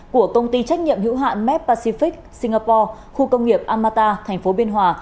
của công ty trách nhiệm hữu hạn medpacific singapore khu công nghiệp amata thành phố biên hòa